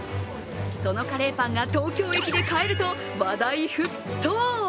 そのカレーパンが東京駅で買えると話題沸騰。